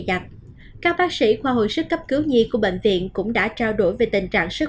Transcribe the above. giặc các bác sĩ khoa hồi sức cấp cứu nhi của bệnh viện cũng đã trao đổi về tình trạng sức